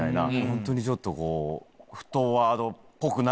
ホントにちょっとこう。